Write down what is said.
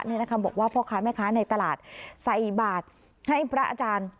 นี่นะคะบอกว่าพ่อค้าแม่ค้าในตลาดใส่บาทให้พระอาจารย์